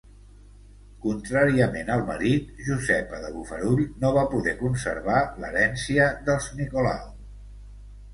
Contràriament al marit, Josepa de Bofarull no va poder conservar l'herència dels Nicolau.